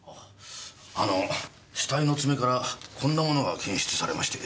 ああの死体の爪からこんなものが検出されまして。